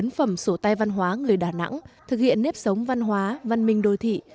ẩn phẩm sổ tây văn hóa người đà nẵng thực hiện nếp sống văn hóa văn minh đô thị